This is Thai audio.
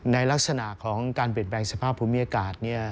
ลักษณะของการเปลี่ยนแปลงสภาพภูมิอากาศ